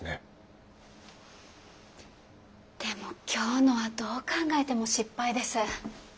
でも今日のはどう考えても失敗です。